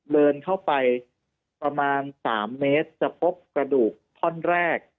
เดินเข้าไปประมาณ๓เมตรจะพบกระดูกท่อนแรก